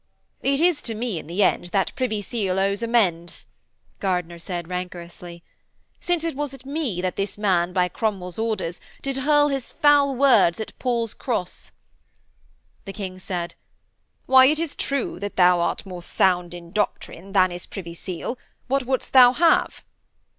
'It is to me, in the end, that Privy Seal owes amends,' Gardiner said rancorously. 'Since it was at me that this man, by Cromwell's orders, did hurl his foul words at Paul's Cross.' The King said: 'Why, it is true that thou art more sound in doctrine than is Privy Seal. What wouldst thou have?'